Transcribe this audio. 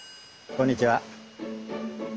こんにちは。